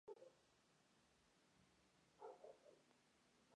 Se hace acreedor de varios premios y nominaciones.